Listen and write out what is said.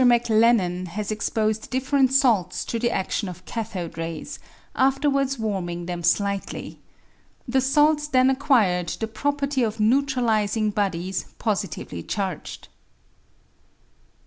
249 Mr. MacLennan has exposed different salts to the atftion of cathode rays, afterwards warming them shghtly. The sahs then acquired the property of neutrahsing bodies positively charged.